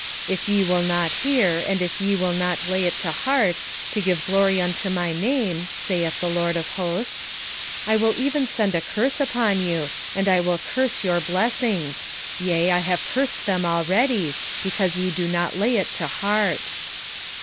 2:2 If ye will not hear, and if ye will not lay it to heart, to give glory unto my name, saith the LORD of hosts, I will even send a curse upon you, and I will curse your blessings: yea, I have cursed them already, because ye do not lay it to heart.